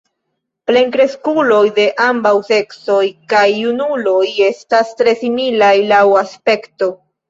Plenkreskuloj de ambaŭ seksoj kaj junuloj estas tre similaj laŭ aspekto.